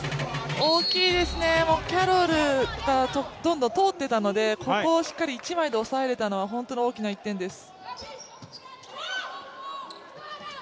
大きいですね、キャロルがどんどん通っていたので、ここをしっかり一枚で抑えられたのは本当に大きな１点です。